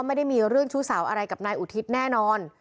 เดิมนะคะว่าไม่ได้มีเรื่องชู้สาวอะไรกับนายอุทิศแน่นอน